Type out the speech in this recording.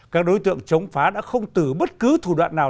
các đối tượng chống phá đã không từ bất cứ thủ đoạn nào